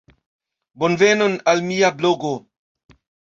Bonvenon al mia blogo.